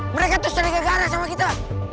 mereka terus cari kegara sama kita